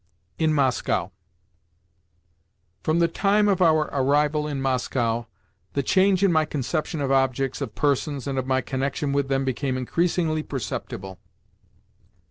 IN MOSCOW From the time of our arrival in Moscow, the change in my conception of objects, of persons, and of my connection with them became increasingly perceptible.